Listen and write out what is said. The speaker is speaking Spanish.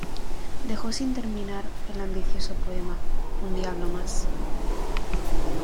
Dejó sin terminar el ambicioso poema "Un diablo más".